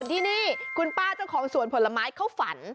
ที่นี่คุณป้าเจ้าของสวนผลไม้เขาฝัน